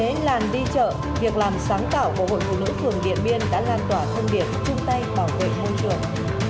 đến làn đi chợ việc làm sáng tạo của hội phụ nữ thường điện biên đã lan tỏa thân điện chung tay bảo vệ môi trường